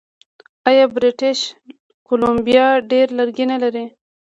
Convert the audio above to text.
آیا بریټیش کولمبیا ډیر لرګي نلري؟